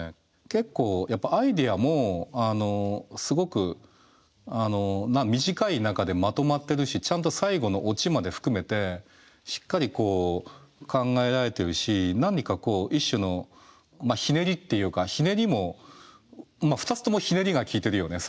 結構やっぱアイデアもすごく短い中でまとまってるしちゃんと最後のオチまで含めてしっかり考えられてるし何かこう一種のひねりっていうかひねりもまあ２つともひねりがきいてるよね